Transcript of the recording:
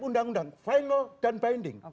undang undang final dan binding